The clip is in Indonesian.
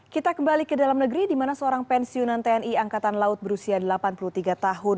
kita kembali ke dalam negeri di mana seorang pensiunan tni angkatan laut berusia delapan puluh tiga tahun